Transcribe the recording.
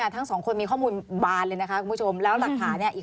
ทั้งสองคนมีข้อมูลบานเลยแล้วหลักฐานี้